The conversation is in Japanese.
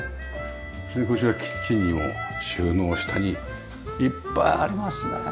それでこちらキッチンにも収納下にいっぱいありますね！